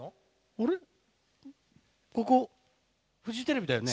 あれここフジテレビだよね？